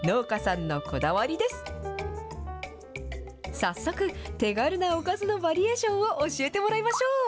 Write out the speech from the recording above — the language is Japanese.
早速、手軽なおかずのバリエーションを教えてもらいましょう。